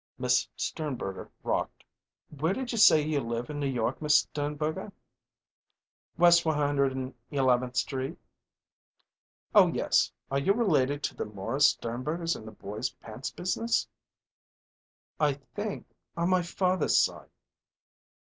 '" Miss Sternberger rocked. "Where did you say you live in New York, Miss Sternberger?" "West One Hundred and Eleventh Street." "Oh yes are you related to the Morris Sternbergers in the boys' pants business?" "I think on my father's side."